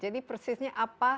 jadi persisnya apa